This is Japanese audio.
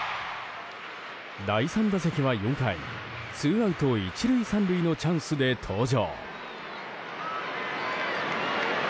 第３打席は４回、ツーアウト１塁３塁のチャンスで登場。